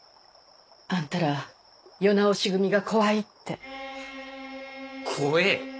あんたら世直し組が怖いって怖ぇ？